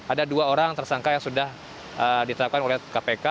ada dua orang tersangka yang sudah ditetapkan oleh kpk